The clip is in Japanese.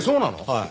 はい。